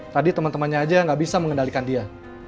tadi temen temennya aja gak bisa mengendalikan dia